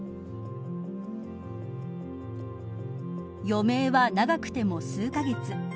余命は長くても数カ月。